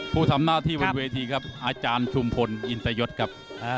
ผู้ทำหน้าที่บนเวทีครับอาจารย์ชุมพลอินตยศครับ